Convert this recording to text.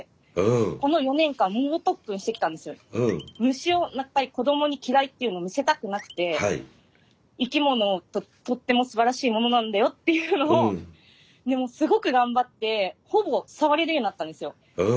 虫を子どもに嫌いっていうのを見せたくなくて生き物とってもすばらしいものなんだよっていうのをでもうすごく頑張ってほぼさわれるようになったんですよ。